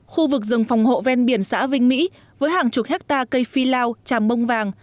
khu vực rừng phòng hộ ven biển xã vinh mỹ với hàng chục hectare cây phi lao tràm bông vàng